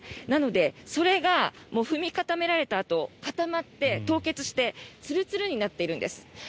なので、それが踏み固められたあと固まって凍結してツルツルになっているんです。